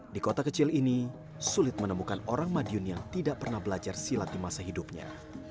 di kota kecil ini sulit menemukan orang madiun yang tidak pernah belajar silat di masa hidupnya